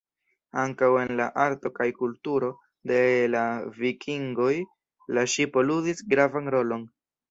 Ankaŭ en la arto kaj kulturo de la Vikingoj la ŝipo ludis gravan rolon.